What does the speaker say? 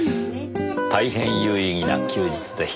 大変有意義な休日でした。